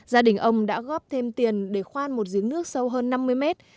gia đình ông đã góp thêm tiền để khoan một giếng nước sâu hơn năm mươi mét